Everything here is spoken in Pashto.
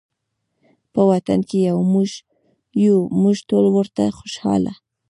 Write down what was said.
په وطن کې یو موږ ټول ورته خوشحاله